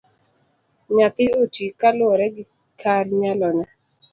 Nyathi oti kaluwore gi kar nyalone.